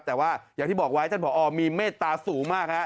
แต่ว่าอย่างที่บอกไว้จันทร์มีเมตตาสูงมาก